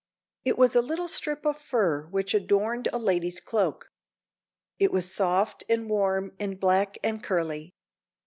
_) It was a little strip of fur which adorned a lady's cloak. It was soft and warm and black and curly.